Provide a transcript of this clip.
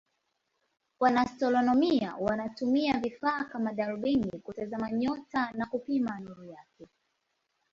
Wanaastronomia wanatumia vifaa kama darubini kutazama nyota na kupima nuru yake.